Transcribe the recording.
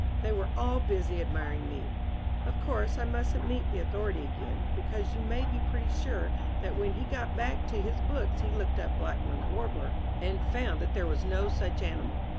They were all busy admiring me. Of course I mustn't meet the Authority again, because you may be pretty sure that when he got back to his books he looked up Blackman's Warbler and found that there was no such animal.